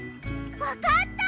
わかった！